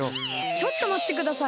ちょっとまってください。